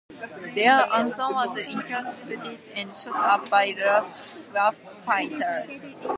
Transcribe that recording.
Their Anson was intercepted and shot up by Luftwaffe fighters.